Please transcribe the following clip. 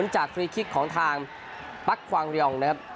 ๑๐จากคลีคิกของทางปั๊กควังเรียองนะครับ